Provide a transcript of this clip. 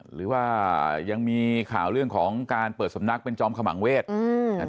หรือว่ายังมีข่าวเรื่องของการเปิดสำนักเป็นจอมขมังเวศ